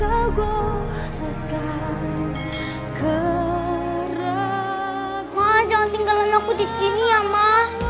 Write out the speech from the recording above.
ma jangan tinggalin aku disini ya ma